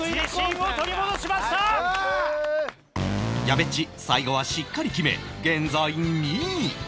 やべっち最後はしっかり決め現在２位